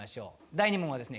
第２問はですね